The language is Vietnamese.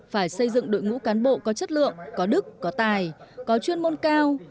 phải xây dựng đội ngũ cán bộ có chất lượng có đức có tài có chuyên môn cao